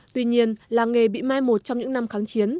tuy nhiên làng nghề bị mai một trong những năm kháng chiến